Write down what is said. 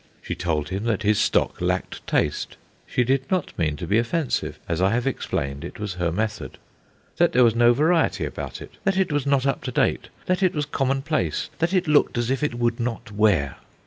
She told him that his stock lacked taste she did not mean to be offensive; as I have explained, it was her method; that there was no variety about it; that it was not up to date; that it was commonplace; that it looked as if it would not wear.